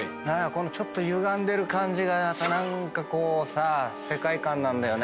このちょっとゆがんでる感じが何かこうさ世界観なんだよね。